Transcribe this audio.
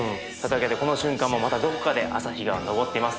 この瞬間もまたどこかで朝日が昇っています。